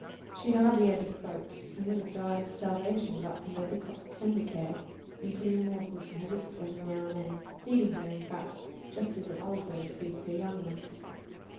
She hardly ever spoke, and would have died of starvation but for Medlicott's tender care, in putting a morsel to her lips every now and then, feeding her, in fact, just as an old bird feeds her young ones.